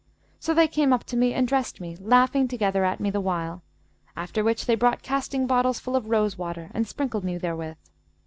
So they came up to me and dressed me, laughing together at me the while; after which they brought casting bottles full of rose water, and sprinkled me therewith.